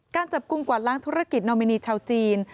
การจับกลุ่มกวาดล้างธุรกิจนอมินีชาวจีน